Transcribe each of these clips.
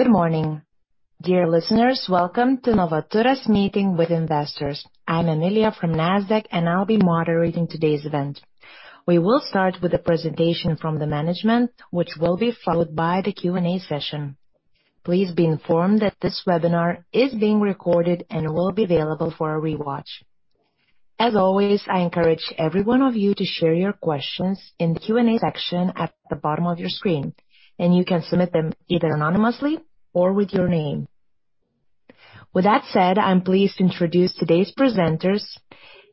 Good morning, dear listeners. Welcome to Novaturas' meeting with investors. I'm Amelia from Nasdaq, and I'll be moderating today's event. We will start with a presentation from the management, which will be followed by the Q&A session. Please be informed that this webinar is being recorded and will be available for a rewatch. As always, I encourage every one of you to share your questions in the Q&A section at the bottom of your screen, and you can submit them either anonymously or with your name. With that said, I'm pleased to introduce today's presenters,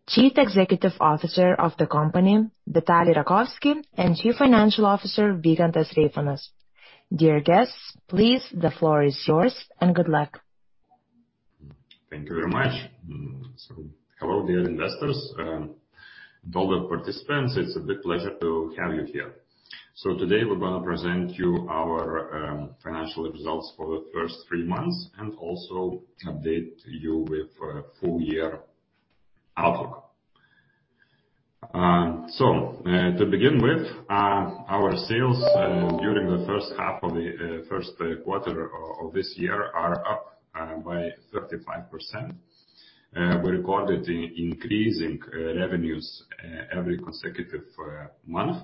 Chief Executive Officer of the company, Vitalij Rakovski, and Chief Financial Officer, Vygantas Reifonas. Dear guests, please, the floor is yours, and good luck. Thank you very much. Hello, dear investors, and all the participants. It's a big pleasure to have you here. Today we're gonna present you our financial results for the first 3 months and also update you with full-year outlook. To begin with, our sales during the first half of the first quarter of this year are up by 35%. We recorded the increasing revenues every consecutive month,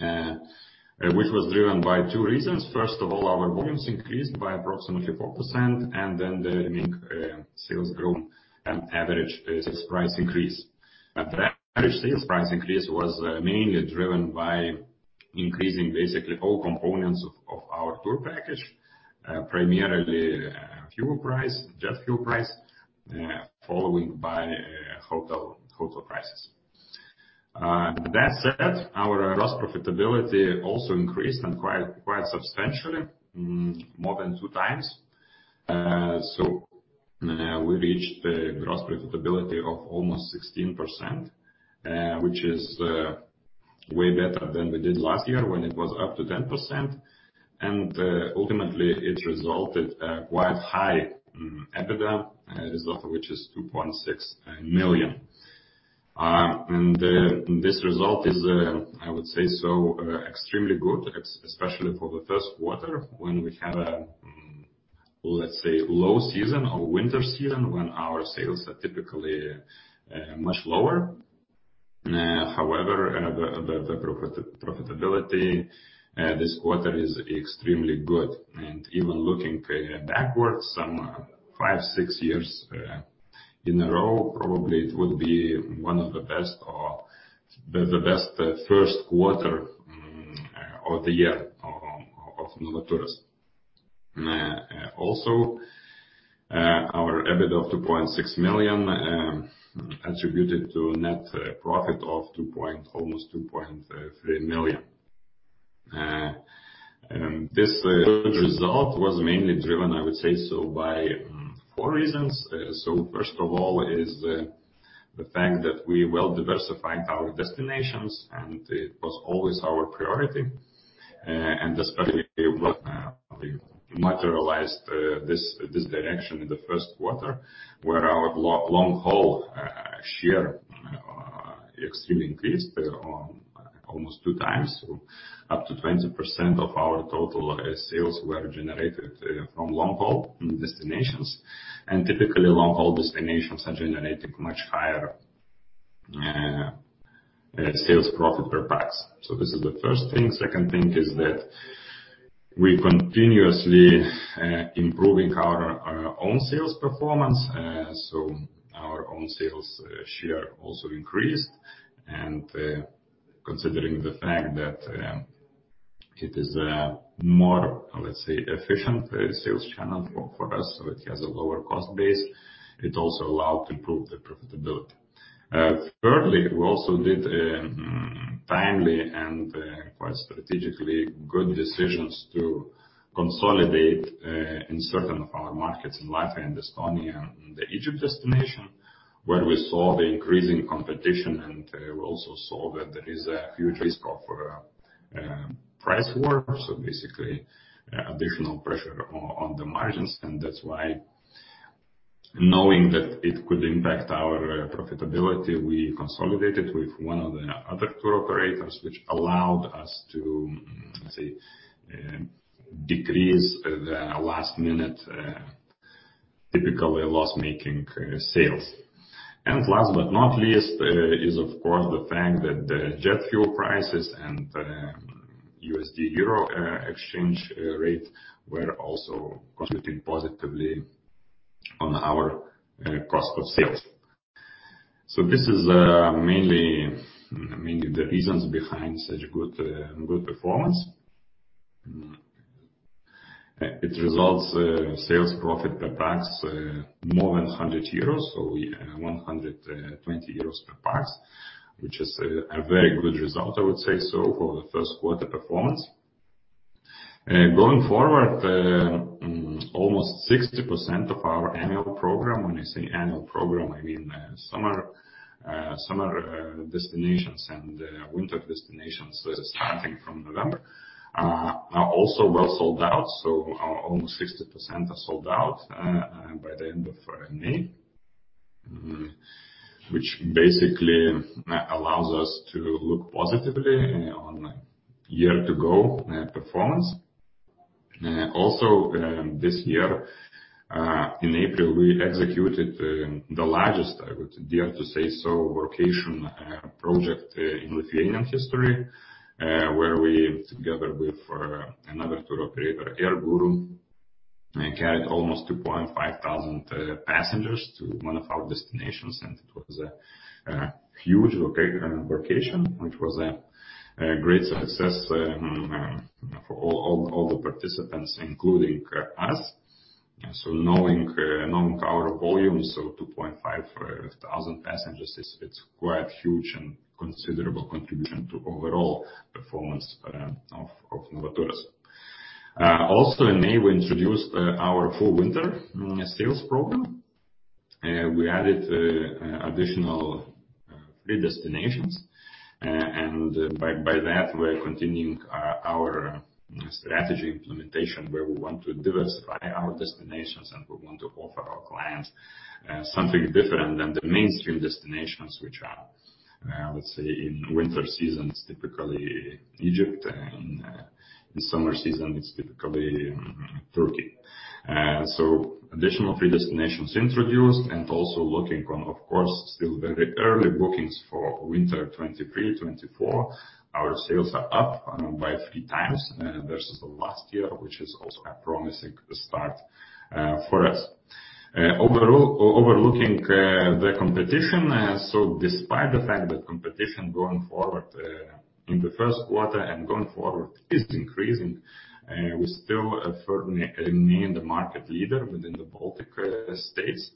which was driven by two reasons. First of all, our volumes increased by approximately 4%, and then the sales growth and average sales price increase. That average selling price increase was mainly driven by increasing basically all components of our tour package, primarily fuel price, jet fuel price, followed by hotel prices. That said, our gross profitability also increased and quite substantially, more than 2x. We reached a gross profitability of almost 16%, which is way better than we did last year when it was up to 10%. Ultimately, it resulted quite high EBITDA result, which is 2.6 million. This result is, I would say so, extremely good, especially for the first quarter, when we have a, let's say, low season or winter season, when our sales are typically much lower. However, the profitability this quarter is extremely good. Even looking backwards some five, six years in a row, probably it would be one of the best or the best first quarter of the year of Novaturas. Also, our EBITDA of 2.6 million attributed to a net profit of almost 2.3 million. This result was mainly driven, I would say so, by four reasons. First of all, is the fact that we well diversified our destinations, and it was always our priority, and especially when we materialized this direction in the first quarter, where our long-haul share extremely increased on almost 2x. Up to 20% of our total sales were generated from long-haul destinations, and typically, long-haul destinations are generating much higher sales profit per pax. This is the first thing. Second thing is that we continuously improving our own sales performance, so our own sales share also increased. Considering the fact that it is more, let's say, efficient sales channel for us, so it has a lower cost base, it also allowed to improve the profitability. Thirdly, we also did timely and quite strategically good decisions to consolidate in certain of our markets, in Latvia and Estonia, and the Egypt destination, where we saw the increasing competition, and we also saw that there is a huge risk of price war. Basically, additional pressure on the margins, and that's why, knowing that it could impact our profitability, we consolidated with one of the other tour operators, which allowed us to say, decrease the last minute, typically loss-making sales. Last but not least, is of course, the fact that the jet fuel prices and USD, EUR exchange rate were also contributing positively on our cost of sales. This is mainly the reasons behind such good performance. It results sales profit per pax more than 100 euros, so yeah, 120 euros per pax, which is a very good result, I would say so, for the first quarter performance. Going forward, almost 60% of our annual program, when I say annual program, I mean, summer destinations and winter destinations, starting from November, are also well sold out, so almost 60% are sold out by the end of May. Which basically allows us to look positively on year to go performance. Also, this year, in April, we executed the largest, I would dare to say so, vacation project in Lithuanian history, where we together with for another tour operator, AirGuru, carried almost 2,500 passengers to one of our destinations, and it was a huge vocation, which was a great success for all the participants, including us. Knowing our volume, 2,500 passengers, it's quite huge and considerable contribution to overall performance of Novaturas. Also in May, we introduced our full winter sales program. We added additional three destinations, and by that, we're continuing our strategy implementation, where we want to diversify our destinations, and we want to offer our clients something different than the mainstream destinations, which are, let's say, in winter seasons, typically Egypt, and in summer season, it's typically Turkey. Additional three destinations introduced, and also looking on, of course, still very early bookings for winter 2023, 2024. Our sales are up by 3x versus the last year, which is also a promising start for us. Overall, overlooking the competition, despite the fact that competition going forward, in the first quarter and going forward is increasing, we still firmly remain the market leader within the Baltic States.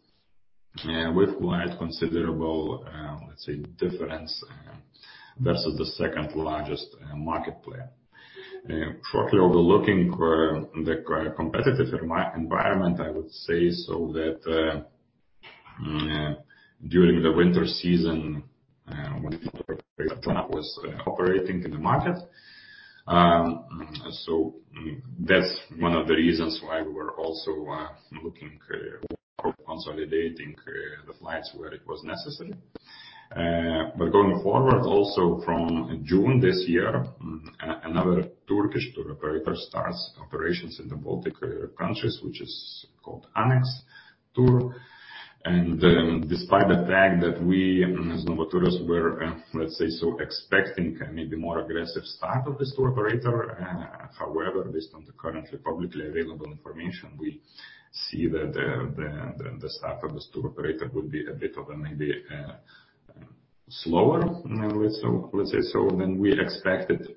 With quite considerable, let's say, difference, versus the second largest market player. Shortly overlooking the competitive environment, I would say that during the winter season, when was operating in the market, that's one of the reasons why we were also looking, consolidating the flights where it was necessary. Going forward, also from June this year, another Turkish tour operator starts operations in the Baltic countries, which is called Anex Tour. Despite the fact that we, as Novaturas were expecting maybe more aggressive start of this tour operator, however, based on the currently publicly available information, we see that the start of this tour operator would be a bit of a maybe slower than we expected,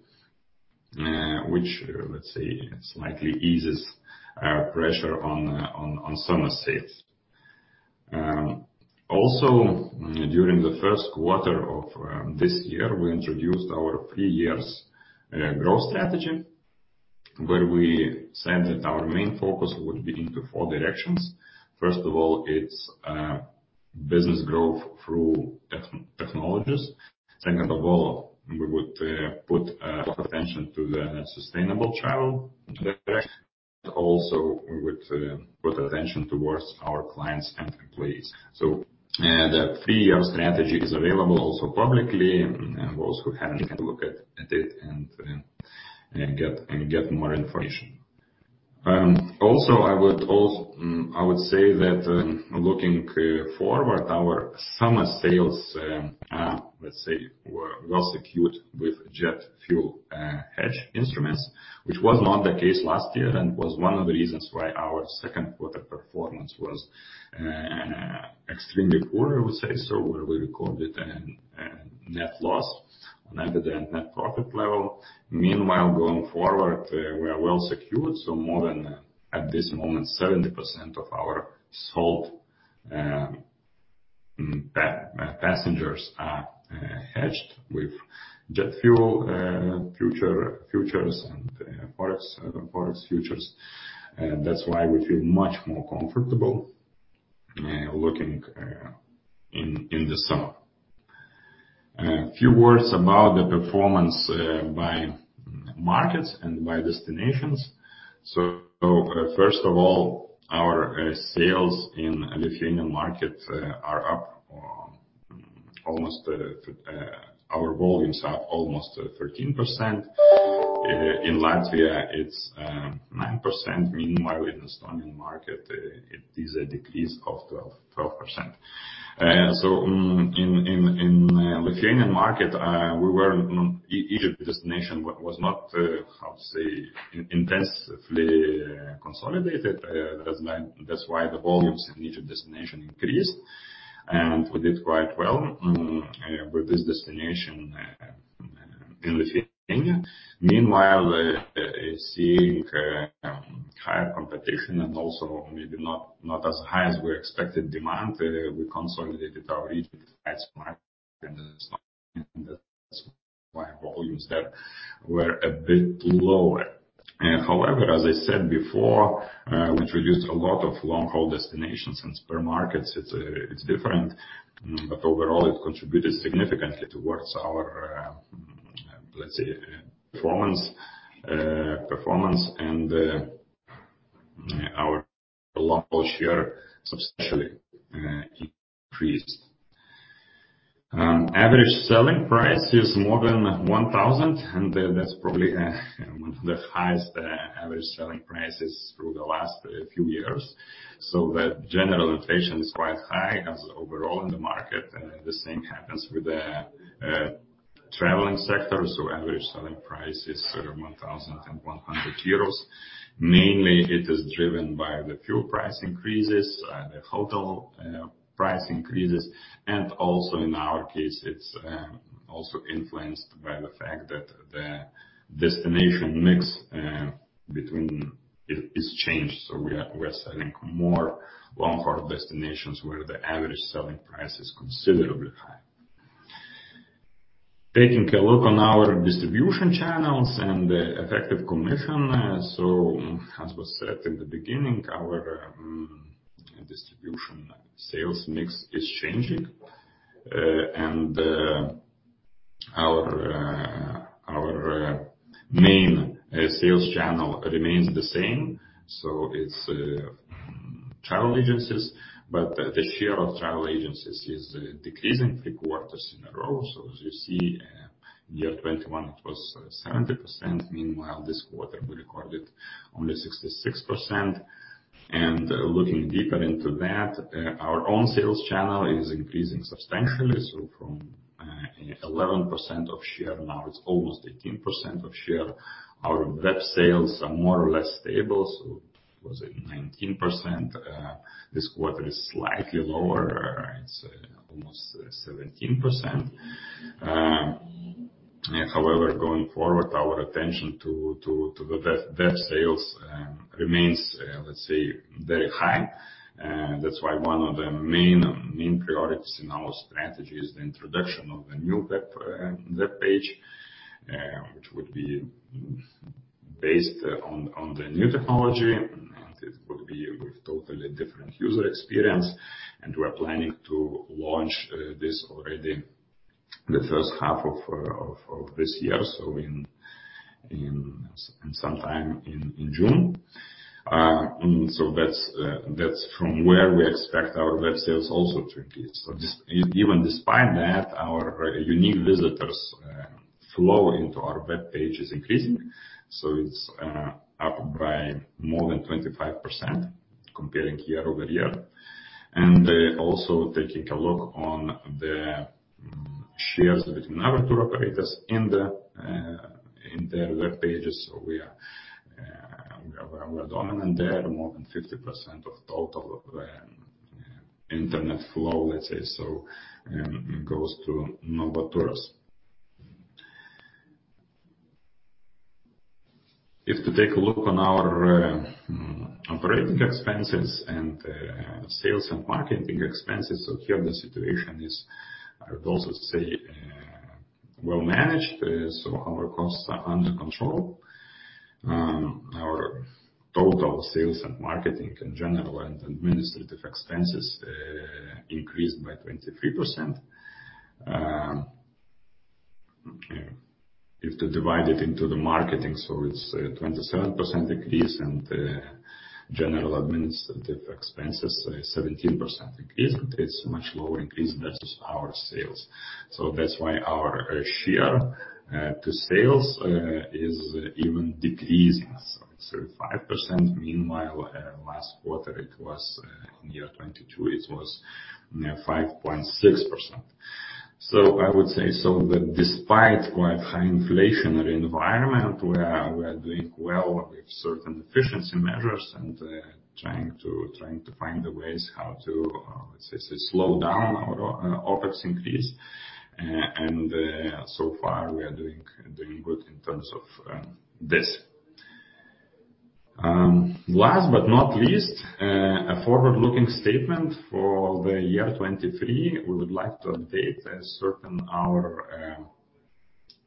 which slightly eases pressure on summer sales. Also, during the first quarter of this year, we introduced our three-year growth strategy, where we said that our main focus would be into four directions. First of all, it's business growth through technologies. Second of all, we would put attention to the sustainable travel direction, but also we would put attention towards our clients and employees. The three-year strategy is available also publicly, and those who haven't, can look at it and get more information. Also, I would say that looking forward, our summer sales, let's say, were well secured with jet fuel hedge instruments, which was not the case last year, and was one of the reasons why our second quarter performance was extremely poor, I would say. We recorded a net loss on EBITDA and net profit level. Meanwhile, going forward, we are well secured, so more than at this moment, 70% of our sold passengers are hedged with jet fuel futures and products futures. That's why we feel much more comfortable looking in the summer. Few words about the performance by markets and by destinations. First of all, our volumes are almost 13%. In Latvia, it's 9%. Meanwhile, in Estonian market, it is a decrease of 12%. In Lithuanian market, we were Egypt destination was not intensively consolidated. That's why the volumes in Egypt destination increased, and we did quite well with this destination in Lithuania. Seeing higher competition and also maybe not as high as we expected demand, we consolidated our Egypt as market, volumes there were a bit lower. However, as I said before, we introduced a lot of long-haul destinations, and spur markets, it's different, but overall, it contributed significantly towards our, let's say, performance and our long-haul share substantially increased. Average selling price is more than 1,000, and that's probably one of the highest average selling prices through the last few years. The general inflation is quite high as overall in the market, the same happens with the traveling sector. Average selling price is 1,100 euros. Mainly, it is driven by the fuel price increases, the hotel price increases, and also in our case, it's also influenced by the fact that the destination mix between it, is changed, so we are selling more long-haul destinations where the average selling price is considerably high. Taking a look on our distribution channels and the effective commission, so as was said in the beginning, our distribution sales mix is changing. Our main sales channel remains the same, so it's travel agencies, but the share of travel agencies is decreasing three quarters in a row. As you see, year 2021, it was 70%, meanwhile, this quarter, we recorded only 66%. Looking deeper into that, our own sales channel is increasing substantially. From 11% of share, now it's almost 18% of share. Our web sales are more or less stable, was it 19%? This quarter is slightly lower, it's almost 17%. However, going forward, our attention to the web sales remains, let's say, very high. That's why one of the main priorities in our strategy is the introduction of a new web page, which would be based on the new technology. It will be a totally different user experience, and we're planning to launch this already the first half of this year, sometime in June. That's from where we expect our web sales also to increase. Even despite that, our unique visitors flow into our webpage is increasing, so it's up by more than 25%, comparing year-over-year. Also taking a look on the shares between other tour operators in their webpages. We are dominant there, more than 50% of total internet flow, let's say so, goes through Novaturas. If to take a look on our operating expenses and sales and marketing expenses, here the situation is, I would also say, well managed. Our costs are under control. Our total sales and marketing in general and administrative expenses increased by 23%. If to divide it into the marketing, so it's a 27% increase, and general administrative expenses 17% increase. It's a much lower increase than our sales. That's why our share to sales is even decreasing. It's 5%, meanwhile, last quarter, it was in year 2022, it was 5.6%. I would say so that despite quite high inflationary environment, we are doing well with certain efficiency measures and trying to find the ways how to, let's say, slow down our OpEx increase, and so far, we are doing good in terms of this. Last but not least, a forward-looking statement for the year 2023. We would like to update a certain our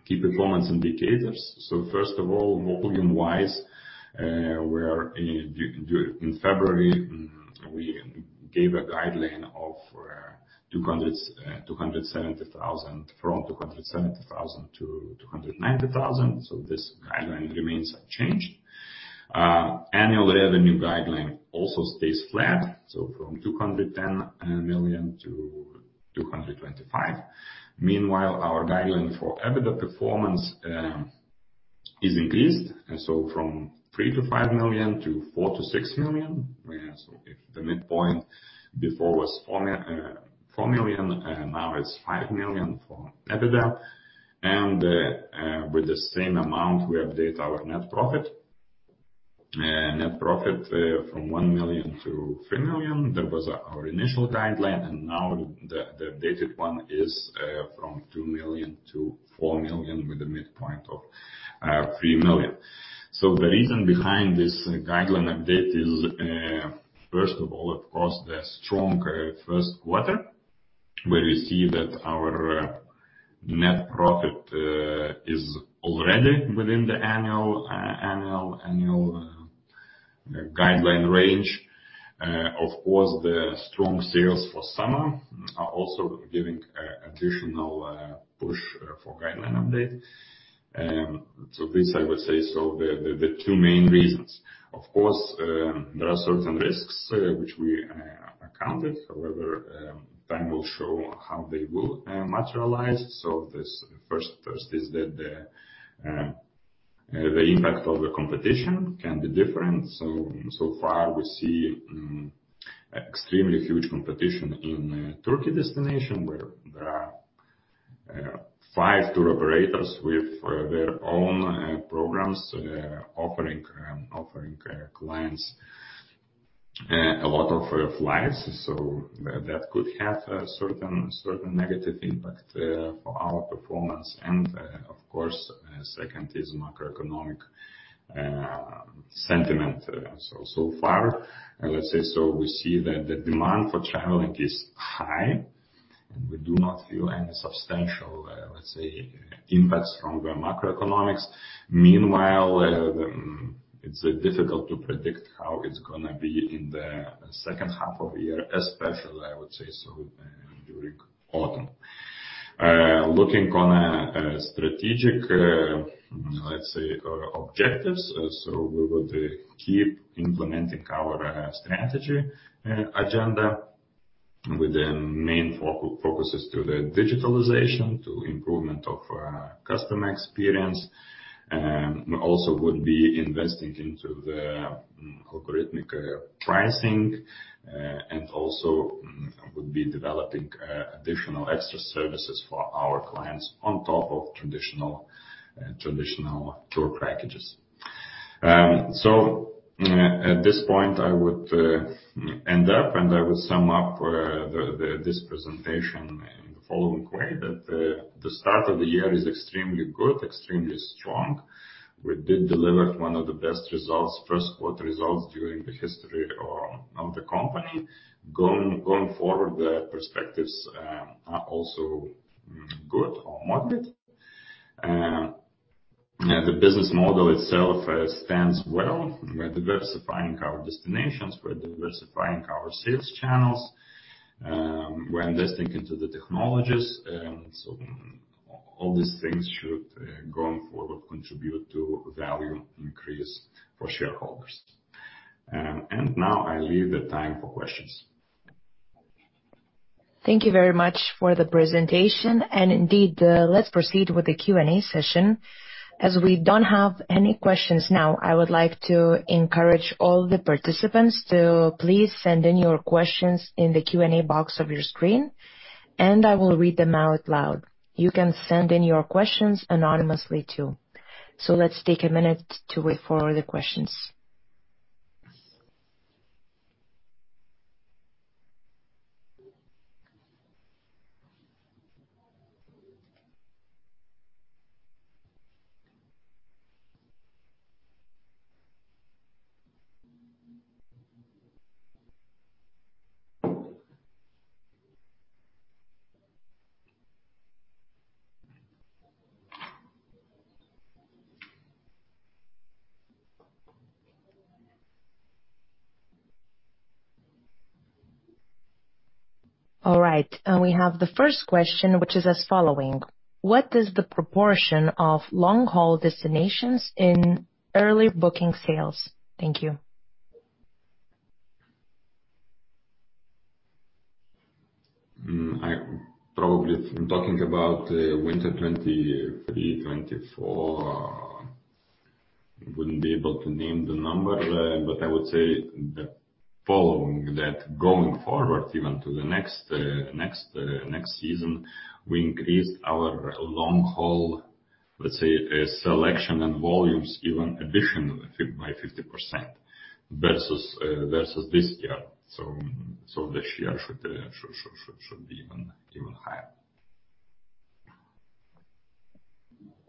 key performance indicators. First of all, volume-wise, we're in February, we gave a guideline of 270,000, from 270,000 to 290,000. This guideline remains unchanged. Annual revenue guideline also stays flat, from 210 million-225 million. Meanwhile, our guideline for EBITDA performance is increased, from 3 million-5 million to 4 million-6 million. If the midpoint before was 4 million, now it's 5 million for EBITDA. With the same amount, we update our net profit. Net profit, from 1 million-3 million. That was our initial guideline, and now the updated one is from 2 million-4 million with a midpoint of 3 million. The reason behind this guideline update is, first of all, of course, the strong first quarter, where we see that our net profit is already within the annual guideline range. Of course, the strong sales for summer are also giving additional push for guideline update. This, I would say, the two main reasons. Of course, there are certain risks, which we accounted, however, time will show how they will materialize. This first is that the impact of the competition can be different. So far we see extremely huge competition in Turkey destination, where there are five tour operators with their own programs, offering clients a lot of flights. That could have a certain negative impact for our performance. Of course, second is macroeconomic sentiment. So far, let's say, we see that the demand for traveling is high, and we do not feel any substantial, let's say, impact from the macroeconomics. Meanwhile, it's difficult to predict how it's gonna be in the second half of the year, especially, I would say so, during autumn. Looking on a strategic, let's say, objectives, we would keep implementing our strategy agenda, with the main focuses to the digitalization, to improvement of customer experience. We also would be investing into the algorithmic pricing, and also would be developing additional extra services for our clients on top of traditional tour packages. At this point, I would end up, and I would sum up this presentation in the following way: the start of the year is extremely good, extremely strong. We did deliver one of the best results, first quarter results during the history of the company. Going forward, the perspectives are also good or moderate. The business model itself stands well. We're diversifying our destinations, we're diversifying our sales channels, we're investing into the technologies, so all these things should going forward, contribute to value increase for shareholders. I leave the time for questions. Thank you very much for the presentation. Indeed, let's proceed with the Q&A session. As we don't have any questions now, I would like to encourage all the participants to please send in your questions in the Q&A box of your screen, and I will read them out loud. You can send in your questions anonymously, too. Let's take a minute to wait for the questions. All right, we have the first question, which is as following: What is the proportion of long-haul destinations in early booking sales? Thank you. Probably talking about winter 2023, 2024, wouldn't be able to name the number, but I would say the following, that going forward, even to the next season, we increased our long-haul, let's say, selection and volumes even additionally by 50% versus this year. This year should be even higher.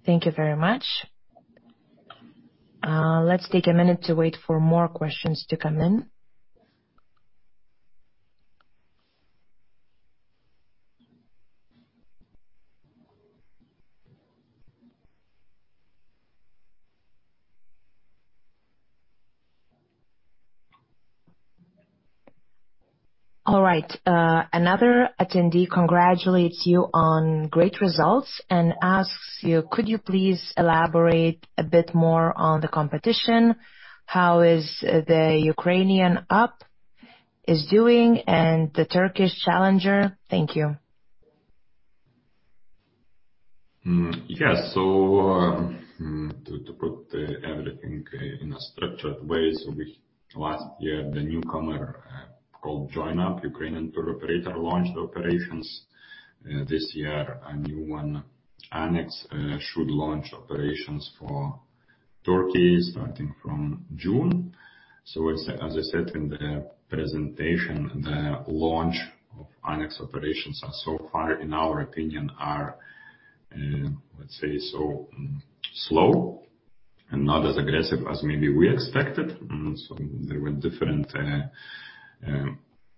Thank you very much. Let's take a minute to wait for more questions to come in. All right, another attendee congratulates you on great results and asks you: Could you please elaborate a bit more on the competition? How is Join UP! doing and the Anex challenger? Thank you. Yes. To put everything in a structured way, last year, the newcomer called Join UP!, Ukrainian tour operator, launched operations. This year, a new one, Anex, should launch operations for Turkey, starting from June. As I said in the presentation, the launch of Anex operations are so far, in our opinion, are, let's say, so, slow and not as aggressive as maybe we expected. There were different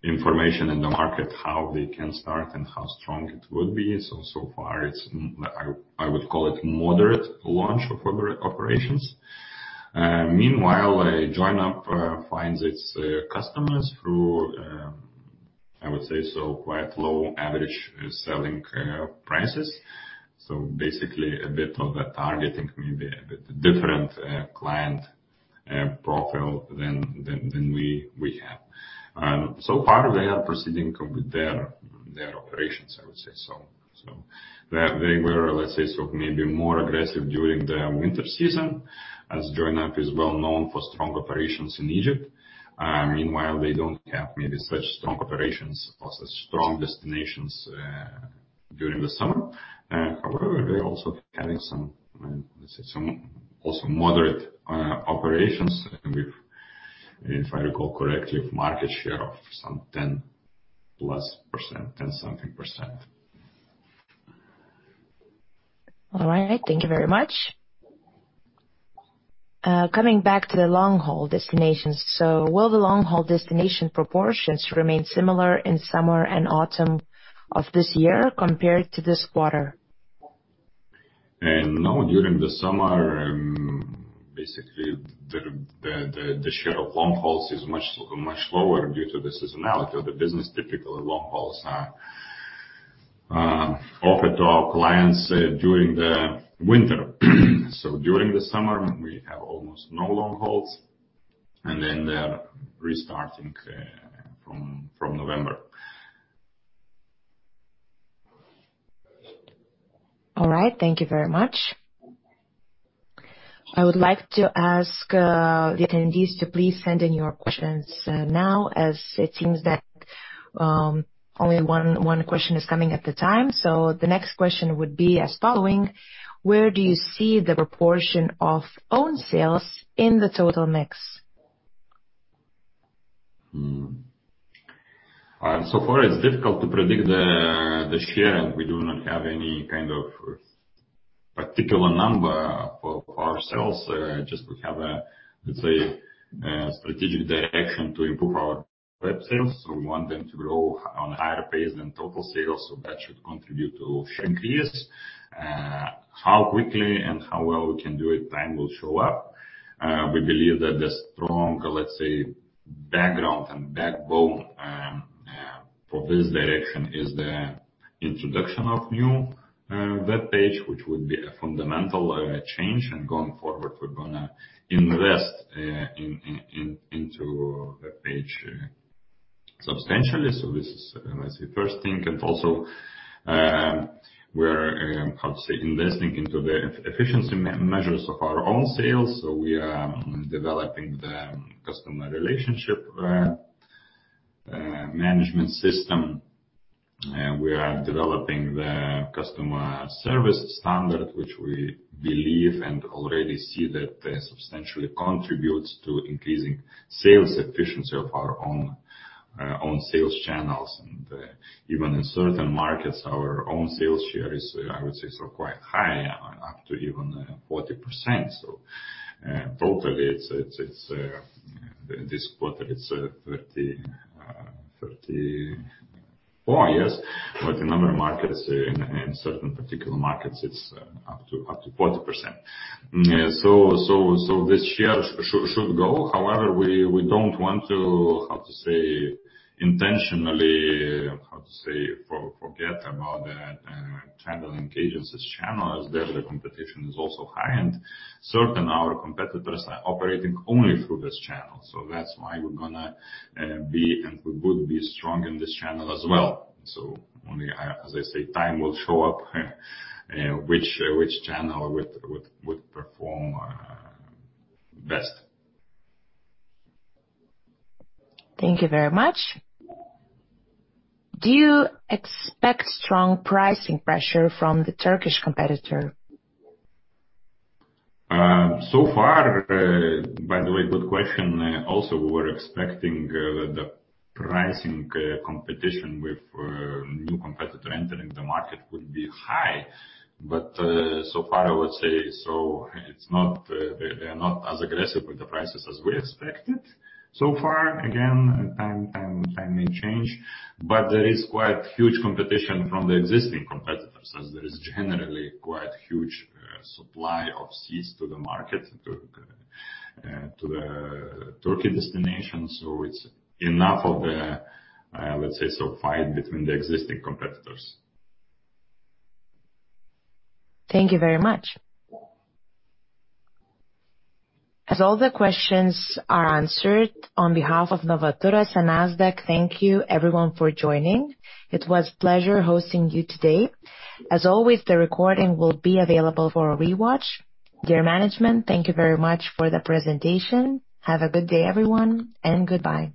information in the market, how they can start and how strong it would be. So far it's, I would call it moderate launch of operations. Meanwhile, Join UP! finds its customers through, I would say so, quite low average selling prices. Basically, a bit of a targeting, maybe a bit different client profile than we have. So far, they are proceeding with their operations, I would say so. They were, let's say, maybe more aggressive during the winter season, as Join UP! is well known for strong operations in Egypt. Meanwhile, they don't have maybe such strong operations or such strong destinations during the summer. However, they're also having some, let's say, some also moderate operations, and if I recall correctly, market share of some 10+%, 10% something. All right. Thank you very much. Coming back to the long-haul destinations, will the long-haul destination proportions remain similar in summer and autumn of this year compared to this quarter? No, during the summer, basically, the share of long-hauls is much lower due to the seasonality of the business. Typically, long-hauls are offered to our clients during the winter. During the summer, we have almost no long-hauls, and then they are restarting from November. All right. Thank you very much. I would like to ask the attendees to please send in your questions now, as it seems that only one question is coming at the time. The next question would be as following: where do you see the proportion of own sales in the total mix? So far it's difficult to predict the share, and we do not have any kind of particular number for ourselves. Just we have a, let's say, strategic direction to improve our web sales, so we want them to grow on a higher pace than total sales, so that should contribute to share increase. How quickly and how well we can do it, time will show up. We believe that the strong, let's say, background and backbone for this direction is the introduction of new web page, which would be a fundamental change, and going forward, we're gonna invest into web page substantially. This is, let's say, first thing. Also, we're, how to say, investing into the efficiency measures of our own sales. We are developing the customer relationship management system. We are developing the customer service standard, which we believe and already see that substantially contributes to increasing sales efficiency of our own sales channels. Even in certain markets, our own sales share is, I would say, so quite high, up to even 40%. Probably it's this quarter, it's 34%, yes, but the number of markets in certain particular markets, it's up to 40%. This year should go. However, we don't want to, how to say, intentionally, how to say, forget about the channeling agencies channel, as there the competition is also high, and certain our competitors are operating only through this channel. That's why we're gonna be, and we would be strong in this channel as well. Only, as I say, time will show up, which channel would perform best. Thank you very much. Do you expect strong pricing pressure from the Turkish competitor? So far, by the way, good question. Also, we were expecting the pricing competition with new competitor entering the market would be high. So far, I would say, so it's not, they're not as aggressive with the prices as we expected. So far, again, time may change, there is quite huge competition from the existing competitors as there is generally quite huge supply of seats to the market to the Turkey destination, so it's enough of the, let's say, so fight between the existing competitors. Thank you very much. As all the questions are answered, on behalf of Novaturas and Nasdaq, thank you everyone for joining. It was pleasure hosting you today. As always, the recording will be available for rewatch. Dear management, thank you very much for the presentation. Have a good day, everyone, and goodbye.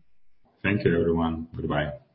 Thank you, everyone. Goodbye.